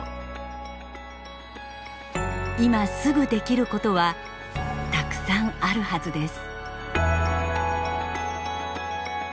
今すぐできることはたくさんあるはずです。